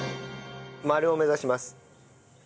丸を目指します。